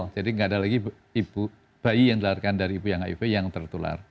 jadi tidak ada lagi bayi yang dilakukan dari ibu yang hiv yang tertular